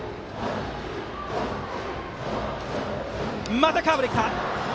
またカーブできた！